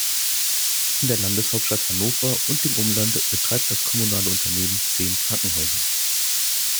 In der Landeshauptstadt Hannover und dem Umland betreibt das kommunale Unternehmen zehn Krankenhäuser.